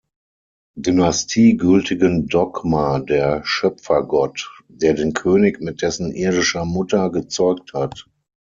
Dynastie gültigen Dogma der Schöpfergott, der den König mit dessen irdischer Mutter gezeugt hat.